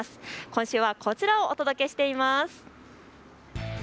今週はこちらをお届けしています。